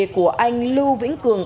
của anh lưu vĩnh cường